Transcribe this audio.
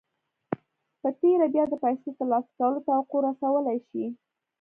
په تېره بیا د پیسو ترلاسه کولو توقع رسولای شئ